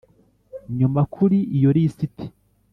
Nyuma kuri iyo lisiti